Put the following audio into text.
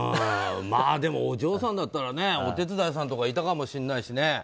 でもお嬢さんだったらお手伝いさんとかいたかもしれないしね。